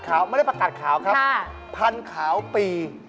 น้ามันต้นอะไรนะนี่